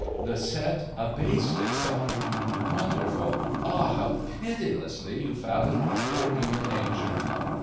The set abased itself. "Wonderful, ah, how pitilessly you fathom our poor human nature!"